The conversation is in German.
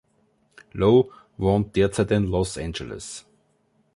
Low wohnt derzeit in Los Angeles.